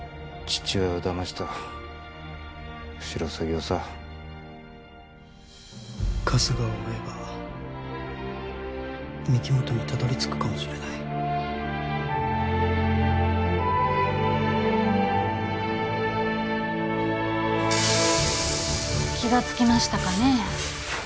父親をだましたシロサギをさ春日を追えば御木本にたどりつくかもしれない気がつきましたかねえ？